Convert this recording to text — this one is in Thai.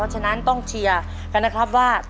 ฉะนั้นต้องเชียร์กันนะครับว่า